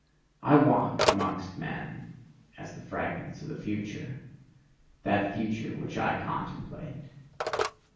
I walk amongst men as the fragments of the future: that future which I contemplate.